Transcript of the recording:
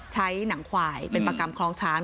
ใช้หนังควายเป็นประกรรมคลองช้าง